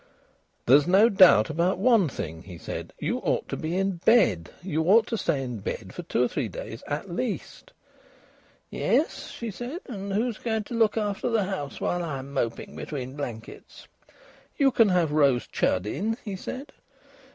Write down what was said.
"There's no doubt about one thing," he said, "you ought to be in bed. You ought to stay in bed for two or three days at least." "Yes," she said. "And who's going to look after the house while I'm moping between blankets?" "You can have Rose Chudd in," he said.